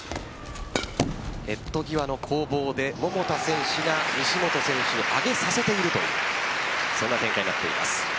ネット際の攻防で桃田選手が西本選手を上げさせているとそんな展開になっています。